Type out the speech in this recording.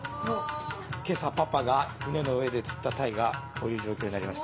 今朝パパが船の上で釣った鯛がこういう状況になりました。